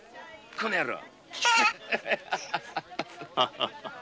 この野郎。